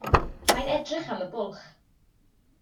Mae'n edrych am y bwlch.